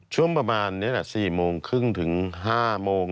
ช่วงประมาณนี้แหละ๔โมงครึ่งถึง๕โมง